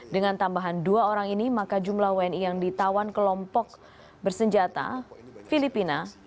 dengan tambahan dua orang ini maka jumlah wni yang ditawan kelompok bersenjata filipina